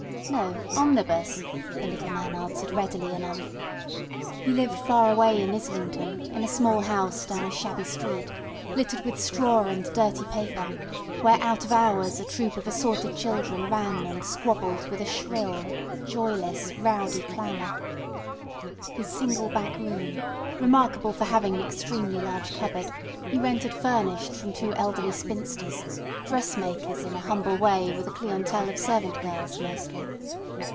"No; omnibus," the little man answered readily enough. He lived far away in Islington, in a small house down a shabby street, littered with straw and dirty paper, where out of school hours a troop of assorted children ran and squabbled with a shrill, joyless, rowdy clamour. His single back room, remarkable for having an extremely large cupboard, he rented furnished from two elderly spinsters, dressmakers in a humble way with a clientele of servant girls mostly.